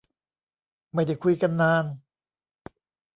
ไม่ได้คุยกันนาน